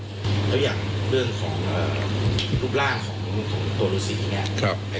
อย่างเรื่องของรูปร่างของตัวหนูสีเนี่ย